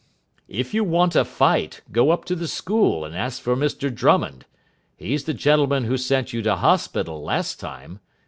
"If you want a fight, go up to the school and ask for Mr Drummond. He's the gentlemen who sent you to hospital last time.